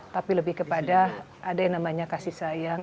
tapi lebih kepada ada yang namanya kasih sayang